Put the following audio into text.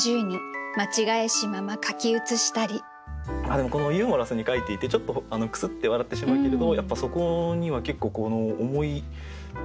でもこのユーモラスに書いていてちょっとクスッて笑ってしまうけれどやっぱりそこには結構重いテーマもありますよね。